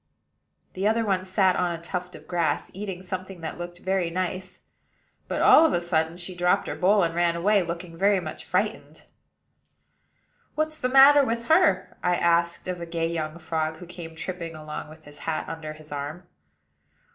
The other one sat on a tuft of grass, eating something that looked very nice; but, all of a sudden, she dropped her bowl, and ran away, looking very much frightened. "What's the matter with her?" I asked of a gay young frog who came tripping along with his hat under his arm.